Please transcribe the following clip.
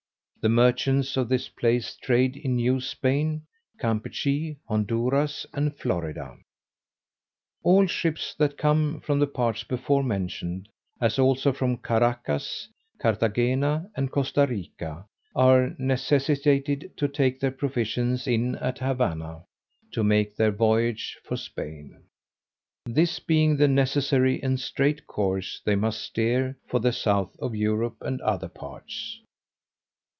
The merchants of this place trade in New Spain, Campechy, Honduras, and Florida. All ships that come from the parts before mentioned, as also from Caraccas, Carthagena and Costa Rica, are necessitated to take their provisions in at Havanna to make their voyage for Spain; this being the necessary and straight course they must steer for the south of Europe, and other parts.